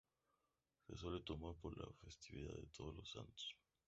Se suelen tomar para la "festividad de Todos los Santos".